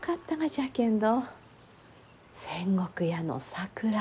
仙石屋の桜